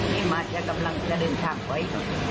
มีมากจะกำลังจะเดินถังไว้